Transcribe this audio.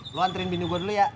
lu anterin bintu gue dulu ya